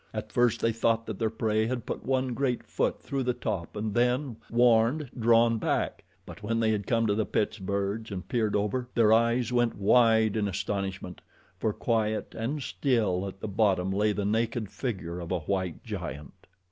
At first they thought that their prey had put one great foot through the top and then, warned, drawn back; but when they had come to the pit's verge and peered over, their eyes went wide in astonishment, for, quiet and still, at the bottom lay the naked figure of a white giant.